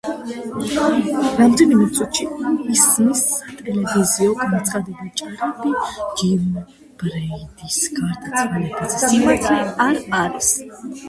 რამდენიმე წუთში ისმის სატელევიზიო განცხადება „ჭორები ჯიმ ბრეიდის გარდაცვალებაზე სიმართლე არ არის“.